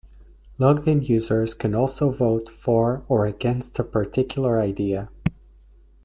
Logged in users can also vote "for" or "against" a particular idea.